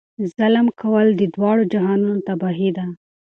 ظلم کول د دواړو جهانونو تباهي ده.